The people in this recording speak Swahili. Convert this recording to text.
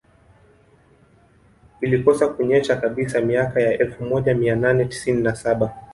Ilikosa kunyesha kabisa miaka ya elfu moja mia nane tisini na saba